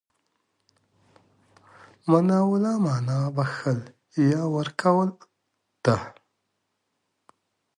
مناوله مانا بخښل، يا ورکول ده.